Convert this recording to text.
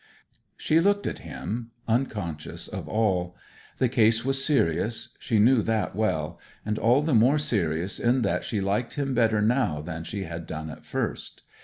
She looked at him, unconscious of all. The case was serious; she knew that well; and all the more serious in that she liked him better now than she had done at first.